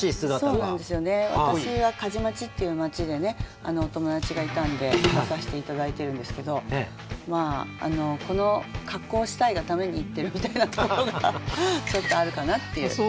私は鍛冶町っていう町でねお友達がいたんで出させて頂いてるんですけどこの格好をしたいがために行ってるみたいなところがちょっとあるかなっていう。